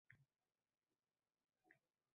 Boʻlmasa, elektr pechkada qilgin edi